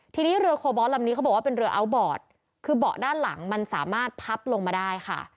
ทีนี้เรือโคบอสลำนี้เขาบอกว่าเป็นเรืออัลบอร์ดคือเบาะด้านหลังมันสามารถพับลงมาได้ค่ะ